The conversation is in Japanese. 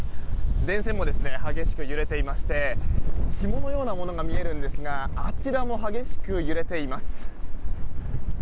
電線も激しく揺れていましてひものようなものが見えるんですがあちらも激しく揺れています。